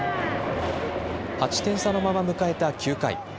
８点差のまま迎えた９回。